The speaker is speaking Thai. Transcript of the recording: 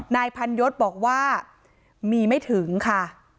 นายพันยศบอกว่ามีไม่ถึงค่ะ